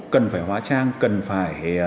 cần phải hóa trang cần phải